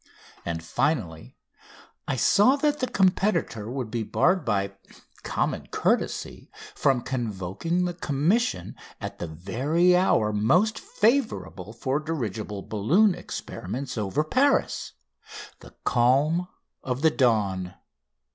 And, finally, I saw that the competitor would be barred by common courtesy from convoking the Commission at the very hour most favourable for dirigible balloon experiments over Paris the calm of the dawn.